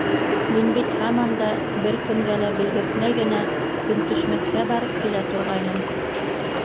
Мин бит һаман да, бер кемгә лә белгертмәй генә Көнтөшмәҫкә барып килә торғайным.